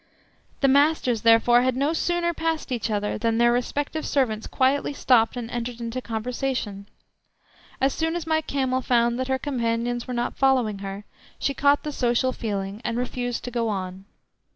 The masters, therefore, had no sooner passed each other than their respective servants quietly stopped and entered into conversation. As soon as my camel found that her companions were not following her she caught the social feeling and refused to go on.